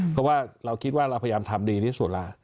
เพราะว่าเราคิดว่าเราพยายามทำดีที่สุดล่ะ